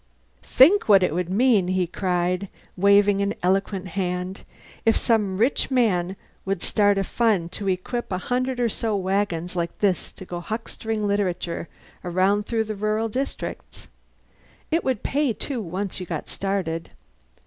"Think what it would mean," he cried, waving an eloquent hand, "if some rich man would start a fund to equip a hundred or so wagons like this to go huckstering literature around through the rural districts. It would pay, too, once you got started.